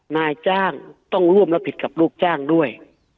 นายจ้างต้องร่วมรับผิดกับลูกจ้างด้วย